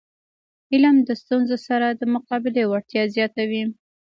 علم د ستونزو سره د مقابلي وړتیا زیاتوي.